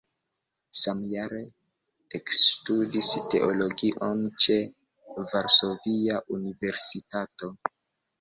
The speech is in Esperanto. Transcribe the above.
Samjare ekstudis teologion ĉe Varsovia Universitato.